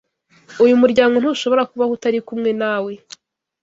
Uyu muryango ntushobora kubaho utari kumwe nawe.